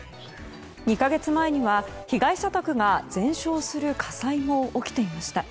２か月前には被害者宅が全焼する火災も起きていました。